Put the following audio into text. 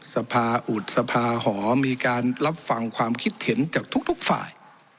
สภาอุดสภาหอมีการรับฟังความคิดเห็นจากทุกฝ่าย